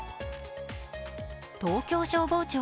東京消防庁